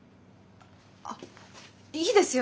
あっいいですよ